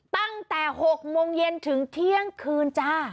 ตั้งแต่๖โมงเย็นถึงเที่ยงคืนจ้า